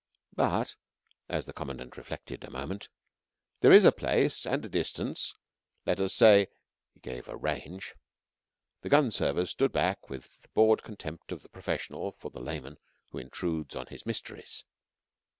"But," the Commandant reflected a moment, "there is a place and a distance. Let us say ..." He gave a range. The gun servers stood back with the bored contempt of the professional for the layman who intrudes on his mysteries.